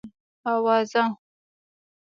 اوزه؟